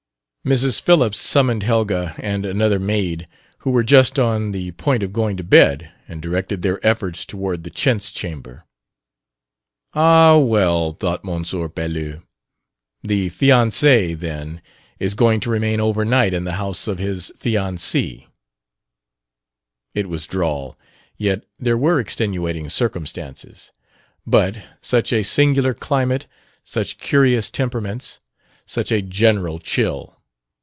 Mrs. Phillips summoned Helga and another maid, who were just on the point of going to bed, and directed their efforts toward the chintz chamber. "Ah, well," thought M. Pelouse, "the fiance, then, is going to remain over night in the house of his fiancee!" It was droll; yet there were extenuating circumstances. But such a singular climate, such curious temperaments, such a general chill!